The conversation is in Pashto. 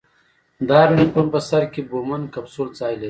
د هر نفرون په سر کې بومن کپسول ځای لري.